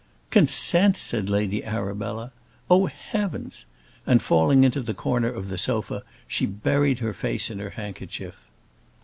"Consent!" said Lady Arabella. "Oh, heavens!" and falling into the corner of the sofa, she buried her face in her handkerchief.